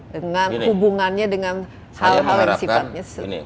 dengan hubungannya dengan hal hal yang sifatnya serba digital